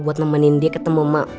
buat nemenin dia ketemu mak